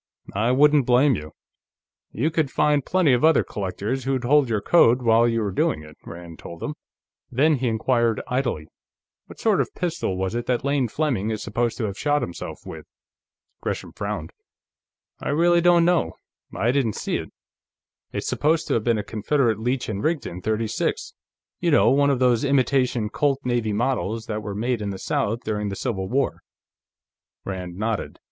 "I wouldn't blame you. You could find plenty of other collectors who'd hold your coat while you were doing it," Rand told him. Then he inquired, idly: "What sort of a pistol was it that Lane Fleming is supposed to have shot himself with?" Gresham frowned. "I really don't know; I didn't see it. It's supposed to have been a Confederate Leech & Rigdon .36; you know, one of those imitation Colt Navy Models that were made in the South during the Civil War." Rand nodded.